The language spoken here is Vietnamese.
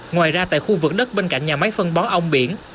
ngoài ra tại khu vực đất bên cạnh nhà máy phân bón ông biển